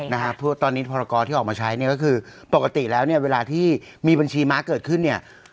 ท่านตอนนี้ผลระกอบที่ออกมาใช้นี่คือ